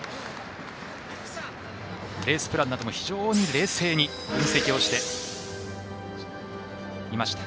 レースプランなども非常に冷静に分析していました。